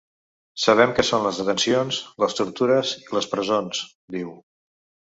Sabem què són les detencions, les tortures i les presons, diu.